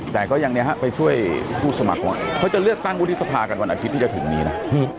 แต่ก็ยังเนี่ยฮะไปช่วยผู้สมัครก่อนเขาจะเลือกตั้งวุฒิสภากันวันอาทิตย์ที่จะถึงนี้นะ